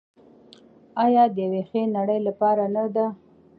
آیا د یوې ښې نړۍ لپاره نه ده؟